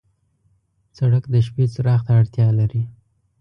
سړک د شپې څراغ ته اړتیا لري.